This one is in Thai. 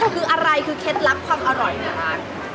คืออะไรคือเคล็ดลับความอร่อยในร้าน